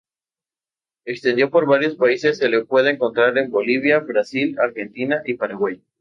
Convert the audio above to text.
Extendido por varios países, se le puede encontrar en Bolivia, Brasil, Argentina y Paraguay.